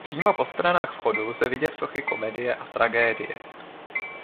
Přímo po stranách vchodu lze vidět sochy komedie a tragédie.